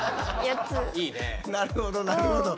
なるほどなるほど。